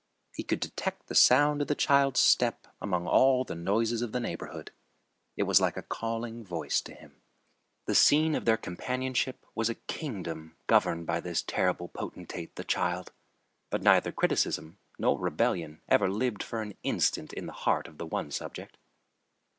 He could detect the sound of the child's step among all the noises of the neighborhood. It was like a calling voice to him. The scene of their companionship was a kingdom governed by this terrible potentate, the child; but neither criticism nor rebellion ever lived for an instant in the heart of the one subject.